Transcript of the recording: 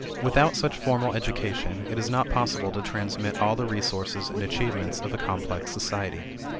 Without such formal education, it is not possible to transmit all the resources and achievements of a complex society.